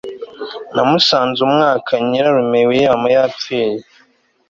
namusanze umwaka nyirarume william yapfiriye